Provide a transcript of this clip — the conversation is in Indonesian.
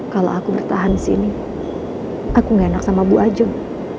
kalau aku bertahan di sini aku gak enak sama bu ajeng